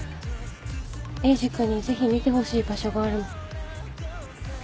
エイジ君にぜひ見てほしい場所があるの。